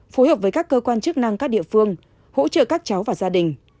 phối hợp với các cơ quan chức năng các địa phương hỗ trợ các cháu và gia đình